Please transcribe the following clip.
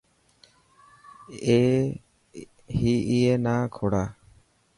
هي اي نا کوڙا.